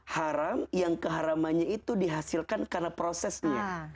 haram yang keharamannya itu dihasilkan karena prosesnya